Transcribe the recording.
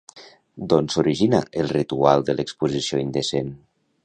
D'on s'origina el ritual de l'exposició indecent?